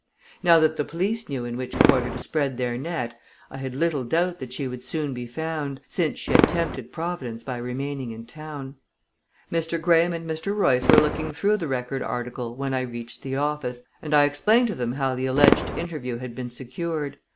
Now that the police knew in which quarter to spread their net, I had little doubt that she would soon be found, since she had tempted providence by remaining in town. Mr. Graham and Mr. Royce were looking through the Record article when I reached the office, and I explained to them how the alleged interview had been secured.